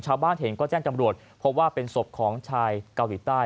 ชาวบ้านเห็นก็แจ้งจำรวจพบว่าเป็นศพของชายเกาหลีใต้